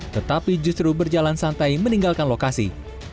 tetapi justru berjalan santai meninggalkan lokasi